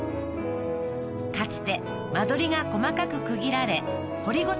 かつて間取りが細かく区切られ掘り